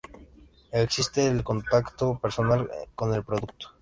Evite el contacto personal con el producto.